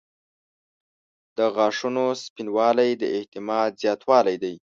• د غاښونو سپینوالی د اعتماد زیاتوالی دی.